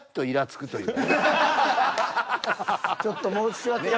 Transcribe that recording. ちょっと申し訳がない。